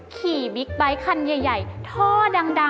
ขี่บิ๊กไบท์คันใหญ่ท่อดังแง่